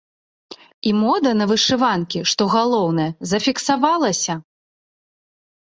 І мода на вышыванкі, што галоўнае, зафіксавалася!